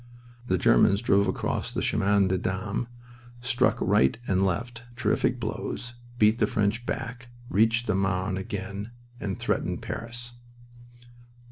The Germans drove across the Chemin des Dames, struck right and left, terrific blows, beat the French back, reached the Marne again, and threatened Paris.